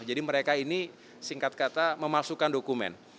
jadi mereka ini singkat kata memalsukan dokumen